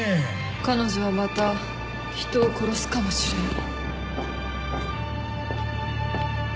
彼女はまた人を殺すかもしれない。